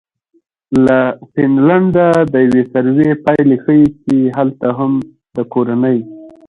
له فنلنډه د یوې سروې پایلې ښیي چې هلته هم د کورنۍ